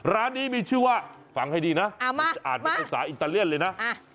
ร้านนี้มีชื่อว่าฟังให้ดีนะอ่านเป็นภาษาอิตาเลียนเลยนะ